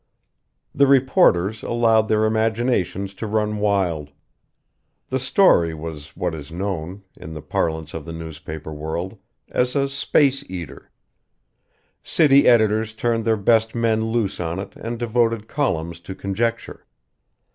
The reporters allowed their imaginations to run wild. The story was what is known, in the parlance of the newspaper world, as a "space eater." City editors turned their best men loose on it and devoted columns to conjecture.